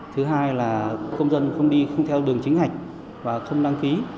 thứ hai là công dân không đi theo đường chính hành và không đăng ký